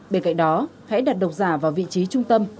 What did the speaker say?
bên cạnh đó hãy đặt độc giả vào vị trí trung tâm